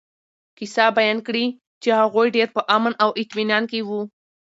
قصّه بيان کړي چې هغوي ډير په امن او اطمنان کي وو